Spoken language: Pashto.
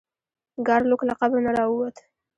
ګارلوک له قبر نه راووت.